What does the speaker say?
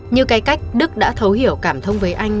như cái cách đức đã thấu hiểu cảm thông với anh